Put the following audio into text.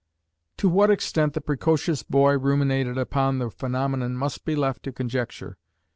To what extent the precocious boy ruminated upon the phenomenon must be left to conjecture.